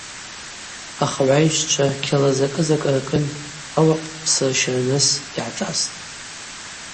Ахыгӏвайщчва кьала закӏы-закӏ ркӏын ауахъ тшпсырщарныс йгӏашӏастӏ.